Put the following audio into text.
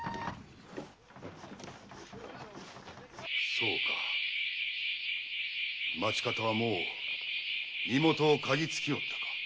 そうか町方はもう身元を嗅ぎつきおったか。